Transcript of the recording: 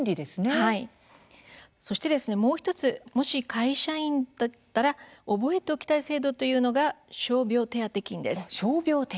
そしてもう１つもし会社員だったら覚えておきたい制度というのが傷病手当金です。